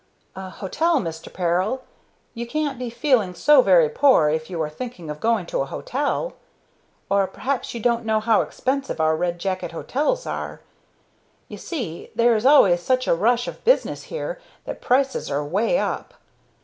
"A hotel, Mr. Peril! You can't be feeling so very poor if you are thinking of going to a hotel. Or perhaps you don't know how expensive our Red Jacket hotels are. You see, there is always such a rush of business here that prices are way up.